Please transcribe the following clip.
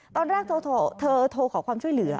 ตอนแรกเธอโทรขอความช่วยเหลือ